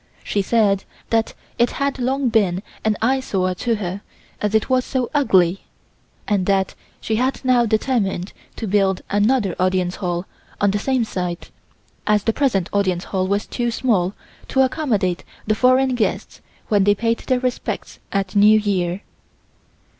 She said that it had long been an eyesore to her as it was so ugly, and that she had now determined to build another Audience Hall on the same site, as the present Audience Hall was too small to accommodate the foreign guests when they paid their respects at New Year.